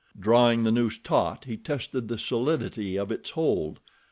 Drawing the noose taut, he tested the solidity of its hold.